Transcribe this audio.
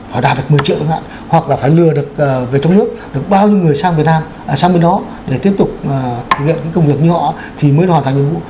họ đạt được một mươi triệu đồng lại hoặc là phải lừa được về trong nước được bao nhiêu người sang bên đó để tiếp tục thực hiện những công việc như họ thì mới hoàn thành nhiệm vụ